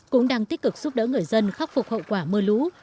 cũng đang tích cực giúp đỡ người dân khắc phục hậu quả mưa lũ